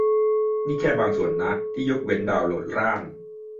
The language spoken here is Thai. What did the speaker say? นี่แค่บางส่วนนะ ที่ยกเว้น ดาวน์โหลดร่าง